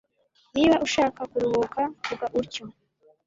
Niba ushaka kuruhuka, vuga utyo.